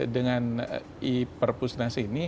dengan e purposenas ini